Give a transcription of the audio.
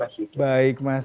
kira kira begitu mas yuda